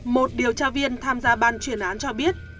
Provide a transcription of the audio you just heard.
một điều tra viên tham gia ban chuyên án cho biết